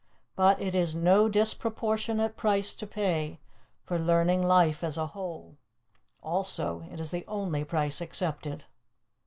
But it is no disproportionate price to pay for learning life as a whole. Also, it is the only price accepted.